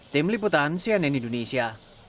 tim liputan cnn indonesia